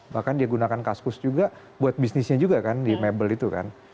bahkan dia gunakan kaskus juga buat bisnisnya juga kan di mebel itu kan